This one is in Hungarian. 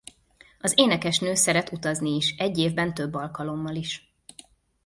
Az énekesnő szeret utazni is egy évben több alkalommal is.